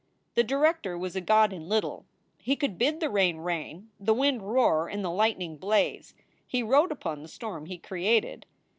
The director was a god in little. He could bid the rain rain, the wind roar, and the lightning blaze. He rode upon the storm he created.